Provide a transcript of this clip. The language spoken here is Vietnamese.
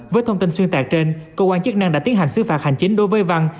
với thông tin xuyên tạc trên cơ quan chức năng đã tiến hành xứ phạt hành chính đối với văn